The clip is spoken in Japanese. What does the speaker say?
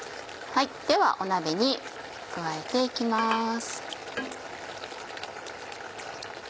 では鍋に加えて行きます。